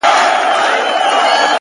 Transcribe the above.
مهرباني له زړونو لاره مومي.!